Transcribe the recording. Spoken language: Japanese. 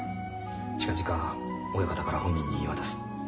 近々親方から本人に言い渡す。